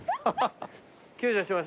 救助しましょう。